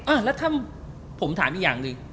อ้าวแล้วถ้าผมถามอีกอย่างเลย